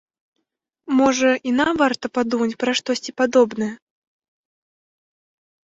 Можа, і нам варта падумаць пра штосьці падобнае?